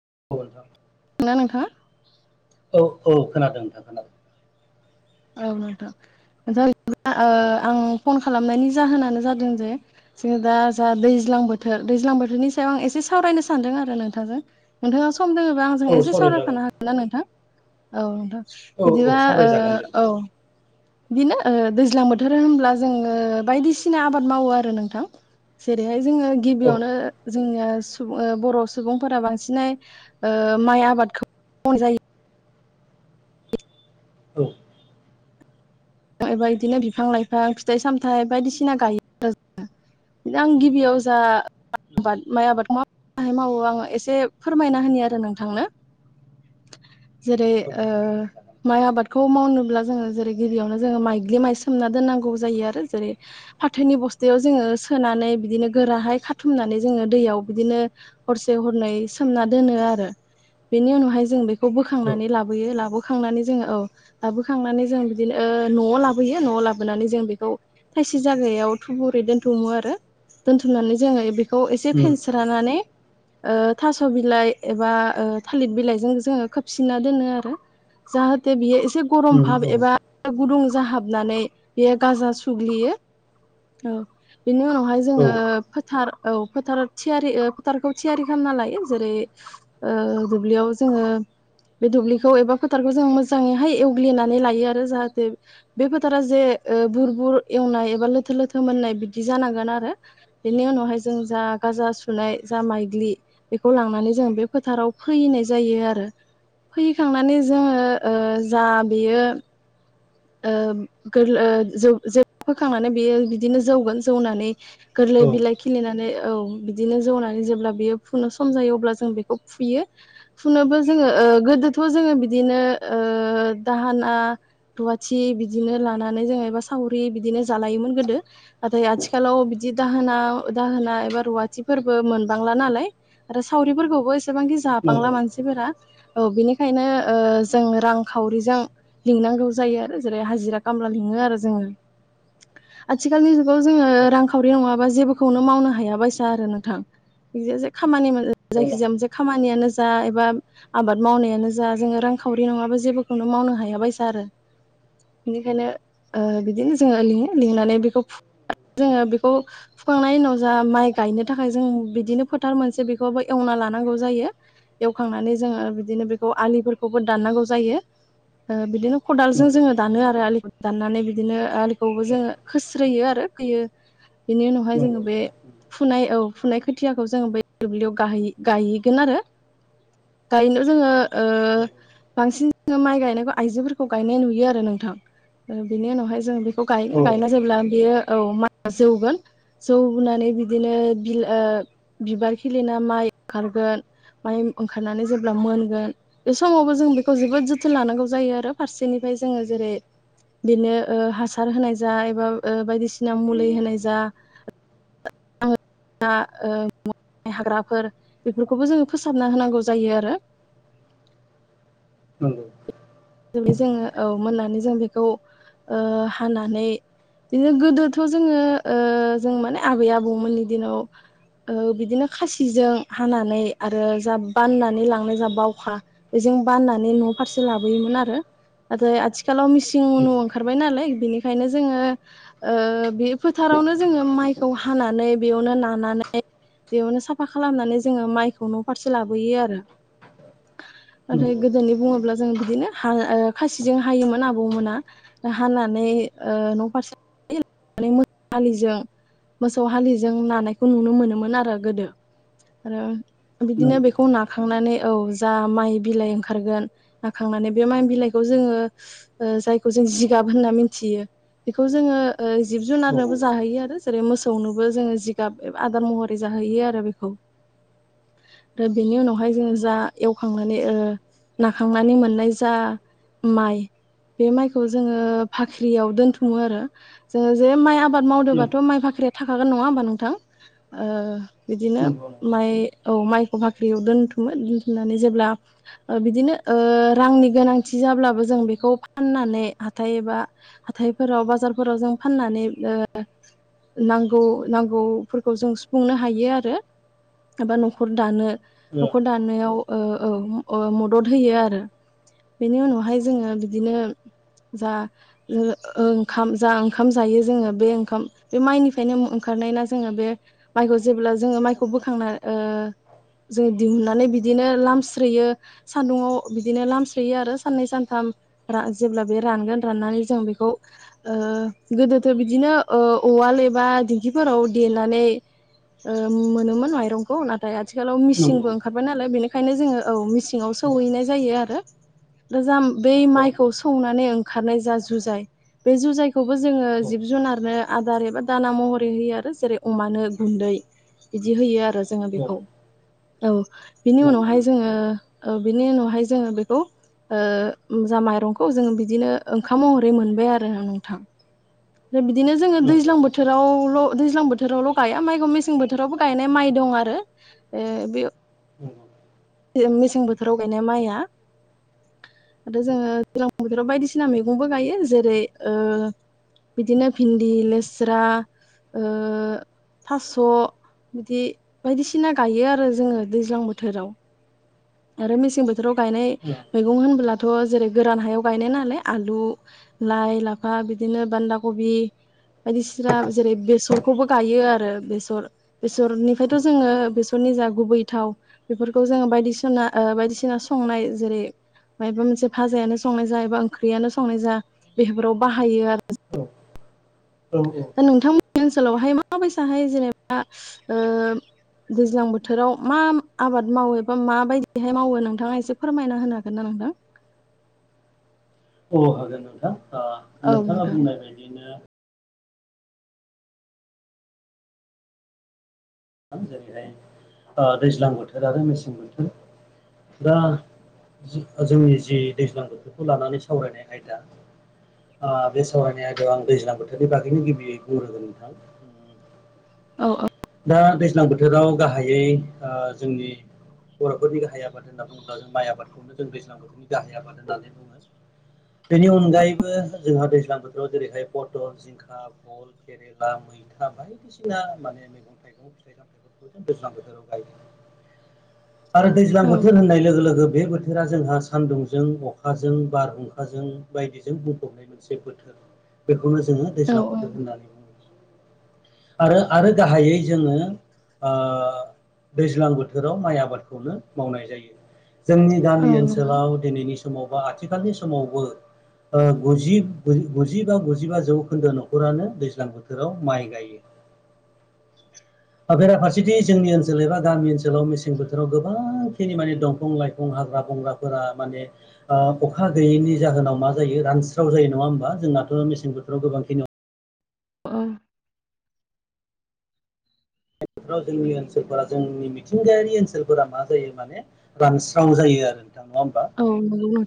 [inaudible] ना नोंथाङा औ औ खोनादों नोंथां। खोनादों। औ नोंथां। नोंथां बिदिब्ला आं फन खालामनायनि जाहोनानो जादों जे जोङो दा जोंहा दैज्लां बोथोर। दैज्लां बोथोरनि सायाव आं एसे सावरायनो सानदों आरो नोंथांजों। नोंथाङा स सम दोङोबा आंजों औ एसे सावरायजागोन सावरायफानो हागोन ना नोंथां? औ नोंथां औ औ बिदिबा सावरायजागोन दे बिनो ओ दैज्लां बोथोर होनब्ला जोङो बायदिसिना आबाद मावो आरो नोंथां जेरैहाय जोङो औ गिबियावनो जोङनिया सुबुं बर' सुबुंफोरा बांसिनै ओ माइ आबादखौ मावजायो औ एबा बिदिनो बिफां लाइफां फिथाइ सामथाइ बायदिसिना गायो आरो जो बिदिनो आं गिबियाव जा नंगौ आबाद माइ आबादखौ माबादिहाय मावो आं एसे फोरमायना होनो आरो नोंथांनो जेरै ओ नंगौ फोरमायजागोन माइ आबादखौ मावनोब्ला जोङो जेरै गिबियावनो मायज्लि माय सोमना‌ दोननांगौ जायो जैरै फाथोनि बसतायाव जोंङो सोनानै बिदिनो गोराहाय खाथुमनानै जोङो दैयाव बिदिनो हरसे हरनै सोमना दोनो आरो बेनि उनावहाय जों बेखौ नोंथां औ बोखांनानै लाबोयो लाबोखांनानै जोङो औ लाबोखांनानै जों बिदिनो ओ न'आव लाबोयो न'आव लाबोनानै जों बेखौ थायसे जागायाव थुबुरै दोनथुमो आरो दोन्थुमनानै जोङो बेखौ एसे उम फेनस्रानानै ओ थास' बिलाइ एबा थालिर बिलाइजों जोङो खोबसिना दोनो आरो जाहाथे बियो एसे गरम उम भाब औ एबा गुदुं जाहाबनानै बेयो गाजा सुग्लियो औ बिनि उनावहाय औ जोङो फोथार औ फोथार थियारि फोथारखौ थियारि खालामना लायो जेरै दुब्लियाव जों ओ बे दुब्लिखौ एबा फोथारखौ जों मोजाङैहाय एवग्लिनानै लायो आरो जाहाथे बे फोथारा जे ओ बुर बुर एवनाय एबा लोथो लोथो मोननाय बिदि जानांगोन आरो आरो बेनि उनावहाय जों जा गाजा सुनाय जा माइग्लि बेखौ लांनानै जों बे फोथार खव फैयैनाय जायो आरो फैयैखांनानै जोङो जा बेयो ओ गोरलै ज जे फोखांनानै बेयो बिदिनो जौगोन जौनानै गोरलै औ बिलाइ खिलिनानै औ बिदिनो जौनानै जेब्ला बियो फुनो सम जायो अब्ला जों बेखौ फुयो फुनोबो जोङो ओ गोदोथ' जोङो बिदिनो ओ दाहोना रुवाथि बिदिनो लानानै जों एबा सावरि बिदिनो जालायोमोन गोदो नाथाय आथिखालाव बिदि दाहोना दाहोना एबा रुवाथिफोरबो मोनबांला नालाय आरो सावरिफोरखौबो एसेबांखि जाबांला नंगौ मानसिफोरा औ बेनिखायनो ओ जों रांखावरिजों लिंनांगौ जायो आरो जेरै हाजिरा खामला लिङो आरो जोङो आथिखालनि जुगाव जोङो औ रांखावरि नङाबा जेबोखौनो मावनो हायाबायसा आरो नोंथां [unintelligible] खामानि मोन औ नंगौ जायखिजाया मोनसे खामानियानो जा एबा आबाद मावनायानो जा जोङो रांखावरि नङाबा जेबोखौनो मावनो हायाबायसा आरो बेनिखायनो ओ बिदिनो जोङो लिङो लिंनानै बेखौ जोङो बेखौ फुखांनायनि उनाव जा माइ गायनो थाखाय जों बिदिनो फोथार मोनसे बेखौबो एवना लानांगौ जायो एवखांनानै जोङो बिदिनो बेखौ आलिफोरखौबो दाननांगौ जायो ओ बिदिनो खदालजों नंगौ जोङो दानो आरो आलिखौ दाननानै बिदिनो आलिखौबो जोङो खोस्रोयो आरो खोयो बेनि औ उनावहाय जोङो नंगौ बे फुनाय औ फुनाय खोथियाखौ जोङो बै दुब्लियाव गायहै गायहैगोन आरो गायनो जोङो ओ बांसिन जोंङो माइ गायनायखौ आइजोफोर फोरखौ गायनाय नुयो आरो नोंथां बेनि उनावहाय जों बेखौ नंगौ गायगोन औ गायना जेब्ला बेयो औ माइया जौगोन जौनानै बिदिनो बिल ओ बिबार खिलिना माइ ओंखारगोन माइ ओंखारनानै जेब्ला मोनगोन बे समावबो जों बेखौ जोबोद जोथोन लानांगौ जायो आरो फारसेनिफ्राय जोङो जेरै बेनो ओ हासार होनाय जा एबा ओ बायदिसिना मुलि होनाय जा [unintelligible] ओ हाग्राफोर बेफोरखौबो जोङो फोसाबना होनांगौ जायो आरो नंगौ जुदि जोङो औ मोननानै जों बेखौ हानानै बियो गोदोथ' जोङो ओ जों माने आबै आबौमोननि दिनाव ओ बिदिनो खासिजों हानानै आरो जा बाननानै लांनो जा बावखा बे जों बानानै न' फारसे लाबोयोन आरो आरो आथिखालाव मिसिं उनु ओंखारबाय नालाय बिनि खायनो जोङो ओ बे फोथारावनो जोङो माइखौ हानानै बेयावनो नानानै बेयावनो साफा खालामनानै जोङो माइखौ न' फारसे लाबोयो आरो नाथाय नंगौ गोदोनि बुङोब्ला जों बिदिनो हा आय आ खासिजों हायोमोन आबौमोना हानानै न' फारसे माने मोसौहालिजों मोसौ हालिजों नानायखौ नुनो मोनोमोन आरो गोदो आरो बिदिनो नंगौ बेखौ नाखांनानै औ जा माय बिलाइ ओंखारगोन नाखांनानै बे माय बिलाइखौ जोंङो ओ जायखौ जों जिगाब होनना मिथियो बेखौ जोङो ओ जिब नंगौ जुनारनोबो औ जाहोयो आरो जेरै मोसौनोबो जोङो जिगाब आदार महरै जाहोयो आरो बेखौ आरो बेनि उनावहाय जोङो जा एवखांनानै ओ नाखांनानै मोननाय जा माइ बे माइखौ जोङो फाख्रियाव दोनथुमो आरो जोङो जे माइ आबाद नंगौ मावदोंबाथ' माइ बाख्रिया थाखागोन नङा होमबा नोंथां ओ बिदिनो नंगौ माइ औ माइखौ बाख्रियाव दोनथुमो दोनथुमनानै जेब्ला बिदिनो ओ रांनि गोनांथि जाब्लाबो जों बेखौ फाननानै हाथाय एबा हाथायफोराव बाजारफोराव जों फाननानै ओ नांगौ नांगौफोरखौ जों सुफुंनो हायो आरो एबा न'खर दानो न'खर दानायाव ओ औ ओ मदद होयो आरो बेनि उनावहाय जोङो बिदिनो जा ओंखाम जा ओंखाम जायो जोंङो बे ओंखाम बे माइनिफ्रायनो ओंखारनायना जोङो बे माइखौ जेब्ला जोंङो मायखौ बोखांना ओ जोङो दिहुनन्नानै बिदिनो लामस्रोयो सान्दुङाव बिदिनो लामस्रोयो आरो साननै सानथाम जेब्ला बे रानगोन राननानै जों बेखौ ओ गोदोथ' बिदिनो ओ अवाल एबा दिंखिफोराव देनानै ओ मोनोमोन माइरंखौ नाथाय आ थिखालाव ओ नंगौ मिसिंबो ओंखारबाय नालाय बेनिखायनो जोङो औ मिसिंआव औ सौहैनाय जायो आरो दा जा बै औ माइखौ सौनानै ओंखारनाय जा जुजाय बे जुजायखौ बो जोङो औ जिब जुनारनो आदार एबा दाना महरै होयो आरो जेरै अमानो गुन्दै बिदि होयो आरो जोङो औ बेखौ औ बिनि नंगौ उनावहाय जोङो बिनि उनावहाय जोङो बेखौ ओ जा माइरंखौ जोङो बिदिनो ओंखाम महरै मोनबाय आरो नोंथां। आरो बिदिनो जोङो नंगौ दैज्लां ओ बोथोरावल' दैज्लां बो रावल' गया माइखौ मेसें बोथोरावबो गायनाय माइ दं आरो ओ बे मेसें बोथोराव गायनाय माइआ आरो जोङो दैलां बोथोराव बायदिसिना मैगंबो गायो जेरै ओ बिदिनो भिन्दि लेस्रा ओ थास' बिदि बायदिसिना गायो आरो जोङो दैज्लां बोथोराव आरो मेसें बोथोराव गायनाय मैगं होनब्ला दाथ' जेरै गोरान हायाव गायनाय नालाय आलु लाइ लाफा बिदिनो बान्दा कबि। बायदिसिना जेरै बेसरखौबो गायो आरो बेसर बेसरनिफ्रायथ' जोङो बेसरनि जा गुबै थाव बेफोर खौ जोङो बायदिसिना ओ बायदिसिना संनाय जेरै मायबा मोनसे फाजायानो संनाय जा एबा ओंख्रियानो संनाय जा बेफोराव बाहायो आर औ औ औ। दा नोंथांमोननि ओनसोलावहाय माबायसाहाय जेनेबा ओ दैज्लां बोथोराव मा आबाद मावो एबा माबायदिहाय मावो नोंथाङा एसे फोरमायना होनो हागोन ना नोंथां? [unintelligible] अ हागोन नोंथां ओ औ नोंथाङा नोंथां बुंनाय बायदिनो जेरैहाय ओ दैज्लां बोथोर आरो मेसें बोथोर दा जोंनि जि दैज्लां बोथोरखौ लानानै सावरायनाय आयदा ओ बे सावरायनाय आयदायाव आं दैज्लां बोथोरनि बागैनो गिबियै बुंग्रोगोन नोंथां उम- औ दा दैज्लां बोथोराव गाहायै ओ जोंनि बर'फोरनि गाहाइ आबाद होनना बुङोब्ला जों माइ आबादखौनो जों दैज्लां बोथोरनि गाहाइ आबाद होननानै बुङो। बेनि अनगायैबो जोंहा दैज्लां बोथोराव जेरैहाय फथल, जिंखा, फल, केरेला, मै मैथा बायदिसिना माने मेगं थाइगं फिथाइ-सामथायफोरखौ जों दैज्लां बोथोराव गायदों। आरो दैज्लां बोथोर होननाय लोगो-लोगो बे बोथोरा जोंहा सानदुंजों अखाजों बारहुंखाजों बायदिजों बुंफबनाय मोनसे बोथोर बेखौनो जोङो औ दैज्लां बोथोर होननानै बुङो आरो आरो गाहायै जोङो ओ दैज्लां बोथोराव माइ आबादखौनो मावनाय जायो। जोंनि औ गामि नंगौ ओनसोलाव दिनैनि समाव बा आथिखालनि समावबो ओ गुजि गुजिबा गुजिबा जौखोन्दो न'खरानो दैज्लां बोथोराव माइ गायो। [unintelligible] बेेरा फारसेथि जोंनि ओनसोल एबा गामि ओनसोलाव मेसें बोथोराव गोबांखिनि माने दंफं-लाइफं हाग्रा बंग्राफोरा माने अखा गैयैनि जाहोनाव मा जायो रानस्राव जायो नङा होमब जोंनाथ' मेसें बोथोराव गोबांखिनि अ उम [unintelligible] याव जोंनि ओनसोलफोरा जोंनि मिथिंगायारि ओनसोलफोरा मा जायो माने रानस्राव जायो आरो नोंथां नङा होमबा औ नोंगौ नों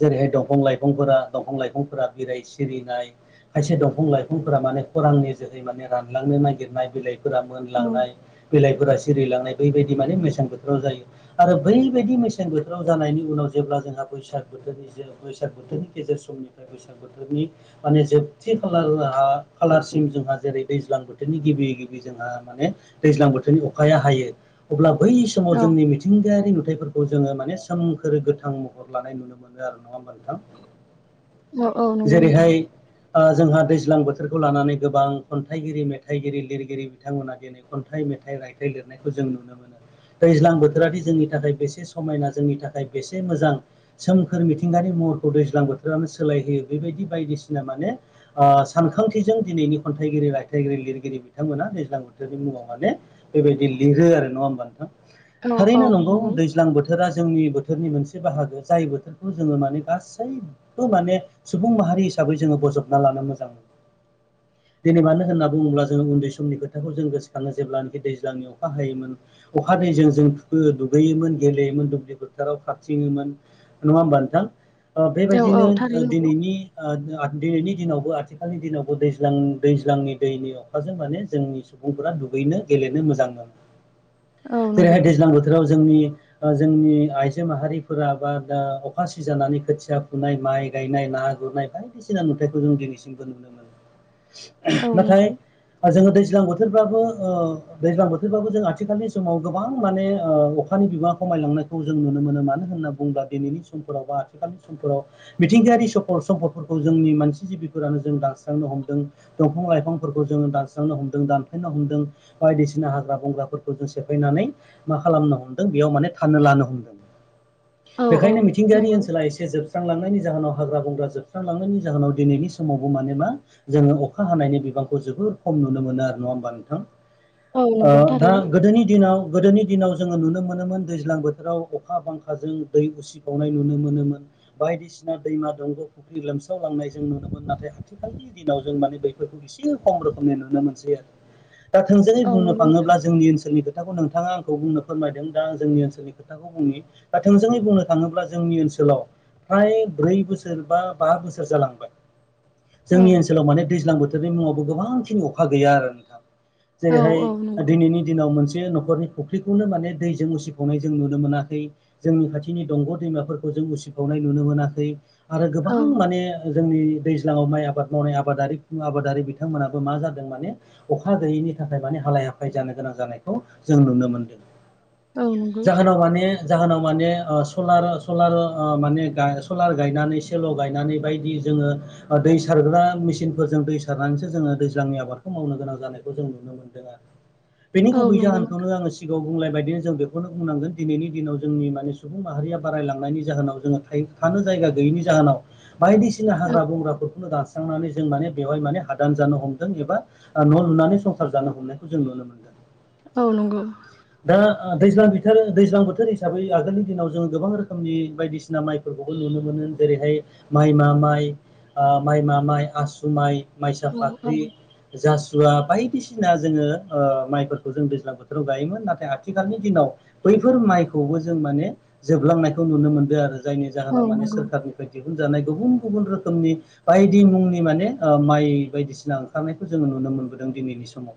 जेरैहाय दंफं-लाइ दफफोरा दंफां लाइफांफोरा बिराय सिरिनाय खायसे दंफां लाइफांफोरा माने खरांनि जोहै माने रानलांनो नागिरनाय बिलाइफोरा औ मोनलांनाय बिलाइफोरा सिरिलांनाय बैबायदि माने मेसें बोथोराव जायो आरो बैबायदि मेसें बोथोराव जानायनि उनाव जेब्ला जोंहा बैसाग बोथोरनि बैसाग बोथोरनि गेजेर समनिफ्राय बैसाग बोथोरनि माने जोबथि खालार राहा खालारसिम जोंहा जेरै दैज्लां बोथोरनि गिबि गिबि जोंहा माने दैज्लां बोथोरनि अखाया हायो। अब्ला बै समाव औ जोंनि मिथिंगायारि नुथायफोरखौ जोङो माने सोमखोर गोथां महर लानाय नुनो मोनो। मोनो आरो नङा ओमबा नोंथां? औ औ नंगौ नोंथां। जेरैहाय ओ जोंहा दैज्लां बोथोरखौ लानानै गोबां खन्थाइगिरि मेथाइगिरि लिरगिरि बिथांमोना दिनै खन्थाइ मेथाइ रायथाइ लिरनायखौ जों नुनो मोनो। दैज्लां बोथोरादि जोंनि थाखाय बेसे समायना जोंनि थाखाय बेसे मोजां सोमखोर मिथिंगानि महरखौ दैज्लां बोथोरानो सोलायहोयो बेबायदि बायदिसिना माने ओ सानखां थिजों दिनैनि खन्थाइगिरि, रायथाइगिरि, लिरगिरि बिथांमोना दैज्लां बोथोरनि मुङाव माने बेबायदि लिर रो आरो नङा होमबा नोंथां? औ औ थारैनो नंगौ दैज्लां बोथोरा जोंनि बोथोरनि मोनसे बाहागो। जाय बोथोरखौ जोङो माने गासैबो माने सुबुं माहारि हिसाबै जोङो बजबना लानो मोजां मोनो। [inaudible] दिनै मानो होनना बुङोब्ला जोङो उन्दै समनि खोथाखौ जों गोसोखाङो जेब्लानाखि दैज्लांनि अखा हायोमोन अखा हादैजों जों दुगैयोमोन गेलेयोमोन दुब्लि फोथाराव खारथिङोमोन नङा होमबा नोंथां? ओ औ औ बेबायदिनो थारैनो नंगौ दिनैनि ओ दिनैनि दिनावबो आथिखालनि दिनावबो दैज्लां दैज्लांनि दैनि अखाजों माने जोंनि सुबुंफोरा दु गैनो गेलेनो मोजां मोनो। औ नंगौ जेरैहाय दैज्लां बोथोराव जोंनि ओ जोंनि आइजो माहारिफोरा बा दा अखा सिजानानै खोथिया फुनाय, माइ गायनाय, ना गुरनाय बायदिसिना नुथायाइखौ जों दिनैसिम नुनो मोनो। औ नंगौ नाथाय जोङो दैज ज्लां बोथोराबो ओ दैज्लां बोथोरबाबो जों आथिखालनि समाव गोबां माने ओ अखानि बिबांखौ खमायलांनायखौ जों नुनो मोनो मानो होनना बु बुंब्ला दिनैनि समफोराव बा आथिखालनि समफोराव मिथिंगायारि सम्प-सम्फदफोरखौ जोंनि मानसि जिबिफोरानो जों दानस्रांनो हमदों, दंफां लाइफांफोरखौ जों दानस्रांनो हमदों दानफायनो हमदों बायदिसिना हाग्रा बंग्राफोरखौ जों सेफायनानै मा खालामनो हमदों बेयाव माने थानो लानो हमदों। [inaudible] औ बेखायनो मिथिंगायारि नंगौ ओनसोला एसे जोबस्रांलांनायनि जाहोनाव हाग्रा बंग्रा जोबस्रांलांनायनि जाहोनाव दिनैनि समावबो माने मा जोङो अखा हानायनि बिबांखौ जोबोर खम नुनो मोनो आरो नङा होमबा नोंथां? औ ओ नंगौ दा थारैनो गोदोनि दिनाव गोदोनि दिनाव जोङो नुनो मोनोमोन दैज्लां बोथोराव अखा बांखा खाजों दै उसिबावनाय नुनो मोनोमोन बायदिसिना दैमा दंग' फुख्रि लोमसावलांनाय जों नुनो मोनोमोन। नाथाय आथिखालनि दिनाव जों माने बफोरखौ एसे खम रोखोमनि नुनो मोनसै आरो। दा थोंजोङै औ बुंनो नंगौ नोंथां थाङोब्ला जोंनि ओनसोलनि खोथाखौ नोंथाङा आंखौ बुंनो फोरमायदों दा जोंनि ओनसोलनि खोथाखौ बुंनि दा थोंजोङै बुंनो थाङोब्ला जोंनि ओनसोलाव फ्राय ब्रै बोसोर बा बा बोसोर जालांबाय। औ जोंनि ओनसोलाव माने दैज्लां बोथोरनि मुङावबो गोबां खिनि अखा गैया आरो नोंथां। औ जेरैहाय औ नंगौ दिनैनि दिनाव मोनसे न'खरनि फुख्रिखौनो माने दैजों उसिखावनाय जों नुनो मोनाखै। जोंनि खाथिनि दंग' दैमाफोरखौ जों उसिफावनाय नुनो मोनाखै आरो औ गोबां माने जोंनि दैज्लाङाव माइ आबाद मावनाय आबादारि आबादारि बिथांमोनाबो मा जादों माने अखा गैयैनि नि थाखाय माने हालाय हाफाय जानो गोनां जानायखौ जों नुनो मोनदों। औ नंगौ जाहोनाव माने सोनाव माने ओ सलार सलार ओ माने गाय सलार गायनानैसो लगायनानै बायदि जोङो दै सारग्रा मेसिनफोरजों दै सारनानैसो जोङो दैज्लांनि आबादखौ मावनो गोनां जानायखौ जों नुनो मोन मोनदों आरो बेनि औ गुबै नंगौ जाहोनखौनो आङो सिगाङाव बुंलाय बायदिनो जों बेखौनो बुंनांगोन दिनैनि दिनाव जोंनि माने सुबुं माहारिया बारायलांनायनि जाहोनाव जोङो थाय-थानो जायगा गैयिनि जाहोनाव बायदिसिना औ हाग्रा बंग्राफोरखौनो दास स्रांनानै जों माने बेवहाय माने हादान जानो हमदों एबा न' लुनानै संसार जानो हमनायखौ जों नुनो मोनदों। औ नंगौ। दा दैज्लां बिथोर दैज्लां बोथोर हिसाबै आगोलनि दिनाव जोङो गोबां रोखोमनि बायदिसिना माइफोरखौ खौबो नुनो मोनो जेरैहाय माइमा माइ ओ माइमा माइ, आसु माइ माइसा औ औ फाख्रि जास जुवा बायदिसिना जोङो ओ माइफोरखौ जों दैज्लां बोथोराव गायोमोन। नाथाय आथिखालनि दिनाव बैफोर माइखौबो जों माने जोबलांनायखौ नुनो मोनदों आरो जायनि औ जाहोनाव माने नंगौ सोरखारनिफ्राय दिहुनजानाय गुबुन गुबुन रोखोमनि बायदि मुंनि माने माइ बायदिसिना ओंखारनायखौ जोङो नुनो मोनबोदों दिनैनि बे समाव।